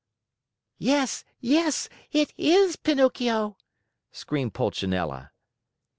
"Yes, yes! It is Pinocchio!" screamed Pulcinella.